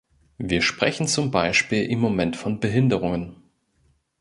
Wir sprechen zum Beispiel im Moment von Behinderungen.